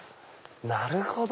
なるほど。